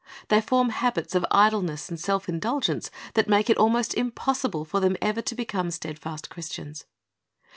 They form habits of idleness and self indulgence that make it almost impossible for them ever to become steadfast Christians.